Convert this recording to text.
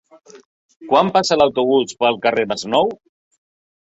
Quan passa l'autobús pel carrer Masnou?